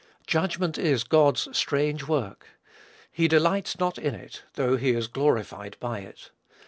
Judgment is God's "strange work." He delights not in, though he is glorified by, it.